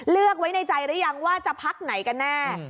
เลือกไว้ในใจหรือยังว่าจะพักไหนกันแน่